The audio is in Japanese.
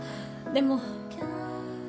でも。